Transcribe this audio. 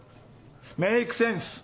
メイクセンス！